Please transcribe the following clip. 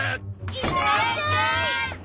いってらっしゃい。